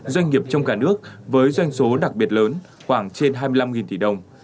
doanh nghiệp trong cả nước với doanh số đặc biệt lớn khoảng trên hai mươi năm tỷ đồng